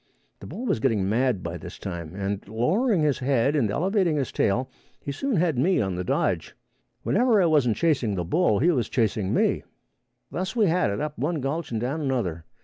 The bull was getting mad by this time, and lowering his head and elevating his tail he soon had me on the dodge. Whenever I wasn't chasing the bull, he was chasing me. Thus we had it up one gulch and down another.